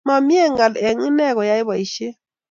Mamie ngal eng ine koyai boishet